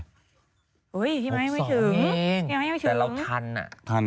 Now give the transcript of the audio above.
พี่ม้ายังไม่ถึง